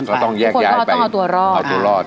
มีคนรอดต้องเอาตัวรอด